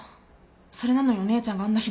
それなのにお姉ちゃんがあんなひどいことを。